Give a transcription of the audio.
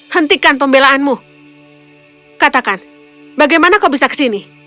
hentikan pembelaanmu katakan bagaimana kau bisa ke sini